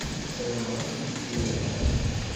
Sarameɣ ad yekkiw lḥal.